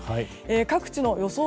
各地の予想